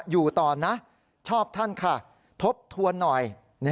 อยู่ต่อนะชอบท่านค่ะทบทวนหน่อย